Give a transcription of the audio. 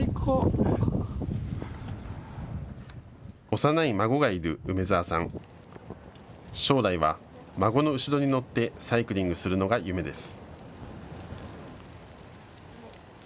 幼い孫がいる梅澤さん、将来は孫の後ろに乗ってサイクリングするのが夢です。